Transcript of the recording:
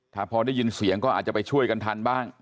ถ้าพอได้ยินเสียงก็อาจจะไปช่วยกันทันบ้าง